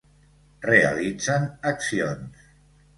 Realitzen accions.